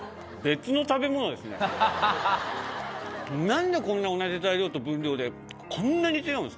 なんでこんな同じ材料と分量でこんなに違うんですか？